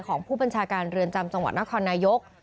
ของผู้บัญชาการเรือนจำจังหวัดนครนายก